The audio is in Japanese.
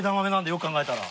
よく考えたら。